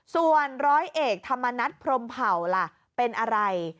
ส่วนร้อยเอกธรรมนัฐพรมเผ่าล่ะเป็นอะไร